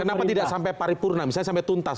kenapa tidak sampai paripurna misalnya sampai tuntas